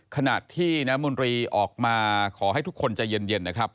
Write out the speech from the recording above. ขณะที่น้ำมนตรีออกมาขอให้ทุกคนใจเย็นนะครับ